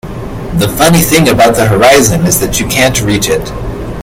The funny thing about the horizon is that you can't reach it.